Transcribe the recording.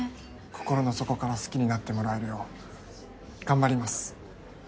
心の底から好きになってもらえるよう頑張ります